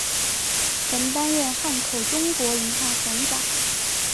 曾担任汉口中国银行行长。